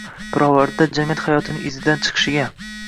Pirovardida jamiyat hayotining izidan chiqishiga